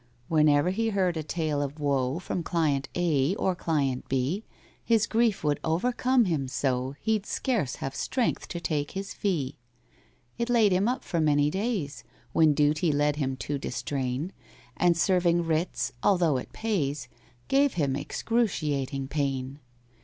Whene'er he heard a tale of woe From client A or client B, His grief would overcome him so He'd scarce have strength to take his fee. It laid him up for many days, When duty led him to distrain, And serving writs, although it pays, Gave him excruciating pain.